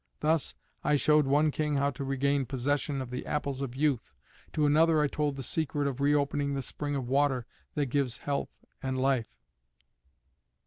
Thus, I showed one King how to regain possession of the Apples of Youth: to another I told the secret of reopening the spring of water that gives health and life."